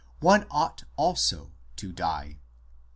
one ought also to die.